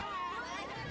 kan bagaimana pak